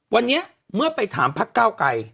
วันนี้เมื่อไปถามพักเก้าไกร